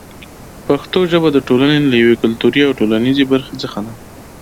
پښتو ژبه د ټولنې له یوې کلتوري او ټولنیزې برخې څخه ده.